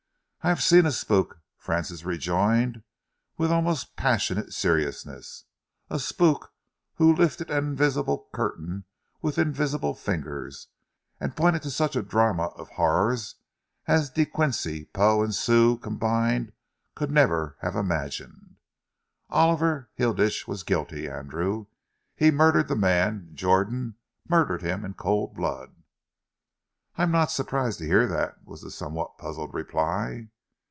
"I have seen a spook," Francis rejoined, with almost passionate seriousness, "a spook who lifted an invisible curtain with invisible fingers, and pointed to such a drama of horrors as De Quincey, Poe and Sue combined could never have imagined. Oliver Hilditch was guilty, Andrew. He murdered the man Jordan murdered him in cold blood." "I'm not surprised to hear that," was the somewhat puzzled reply.